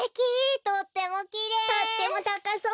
とってもたかそうべ。